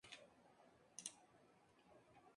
Estudió en el Instituto Tecnológico de Georgia.